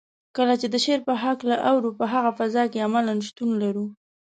کله چې د شعر په هکله اورو په هغه فضا کې عملاً شتون لرو.